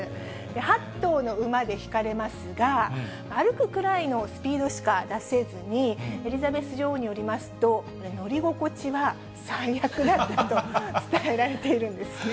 ８頭の馬で引かれますが、歩くくらいのスピードしか出せずに、エリザベス女王によりますと、乗り心地は最悪だったと伝えられているんですね。